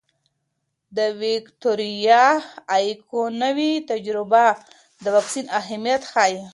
د ویکتوریا ایکانوي تجربه د واکسین اهمیت ښيي.